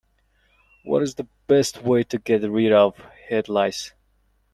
What is the best way to get rid of head lice?